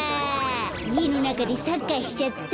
いえのなかでサッカーしちゃった。